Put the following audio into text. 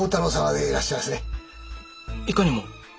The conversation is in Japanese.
いかにも。